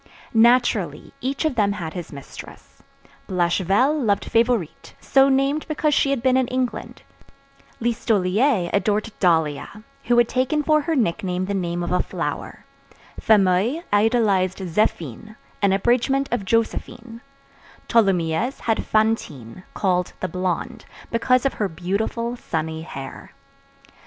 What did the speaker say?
Naturally, each of them had his mistress. Blachevelle loved Favourite, so named because she had been in England; Listolier adored Dahlia, who had taken for her nickname the name of a flower; Fameuil idolized Zéphine, an abridgment of Joséphine; Tholomyès had Fantine, called the Blonde, because of her beautiful, sunny hair.